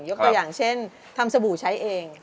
ตัวอย่างเช่นทำสบู่ใช้เอง